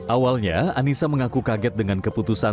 awalnya anissa mengaku kaget dengan keputusan sang suami